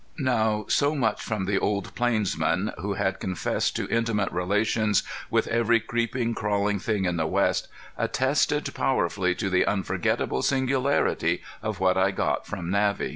Now so much from the old plainsman, who had confessed to intimate relations with every creeping, crawling thing in the West, attested powerfully to the unforgettable singularity of what I got from Navvy.